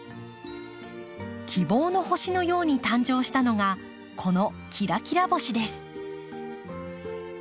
希望の星のように誕生したのがこのきらきら星です。